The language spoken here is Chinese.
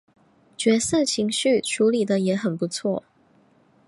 角色情绪处理的也很不错